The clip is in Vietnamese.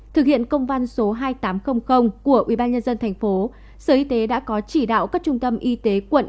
thực hiện công văn số hai nghìn tám trăm linh của ubnd tp sở y tế đã có chỉ đạo các trung tâm y tế quận